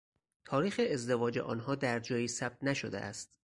تاریخ ازدواج آنها در جایی ثبت نشده است.